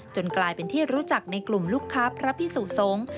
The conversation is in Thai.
กลายเป็นที่รู้จักในกลุ่มลูกค้าพระพิสุสงฆ์